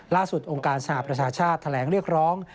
องค์การสหประชาชาติแถลงเรียกร้อง